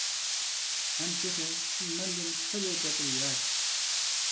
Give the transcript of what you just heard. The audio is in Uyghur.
ھەم تېخى سىز مەندىن خېلى بەكلا ياش.